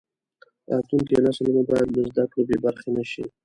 راتلونکی نسل مو باید له زده کړو بې برخې نشي.